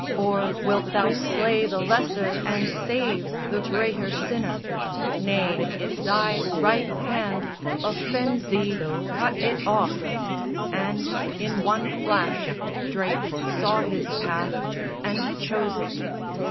Or wilt thou slay the lesser and save The greater sinner? Nay, if thy right hand Offend thee, cut it off!_" And, in one flash, Drake saw his path and chose it.